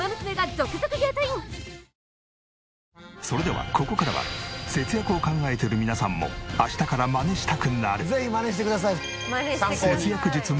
それではここからは節約を考えてる皆さんも明日からマネしたくなる節約術